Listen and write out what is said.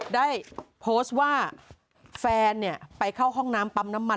ได้โพสต์ว่าแฟนไปเข้าห้องน้ำปั๊มน้ำมัน